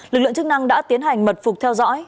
lực lượng chức năng đã tiến hành mật phục theo dõi